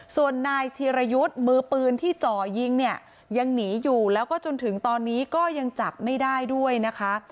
ส่วนนายธีรยุทธ์มือปืนที่จ่อยิงเนี่ยยังหนีอยู่แล้วก็จนถึงตอนนี้ก็ยังจับไม่ได้ด้วยนะคะ